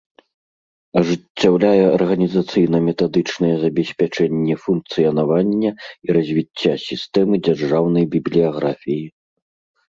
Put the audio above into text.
Ажыццяўляе арганiзацыйна-метадычнае забеспячэнне функцыянавання i развiцця сiстэмы дзяржаўнай бiблiяграфii.